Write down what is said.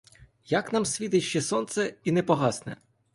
Як нам світить ще сонце і не погасне?